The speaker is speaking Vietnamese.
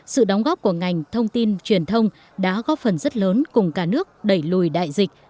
sự đóng góp của ngành thông tin truyền thông đã góp phần rất lớn cùng cả nước đẩy lùi đại dịch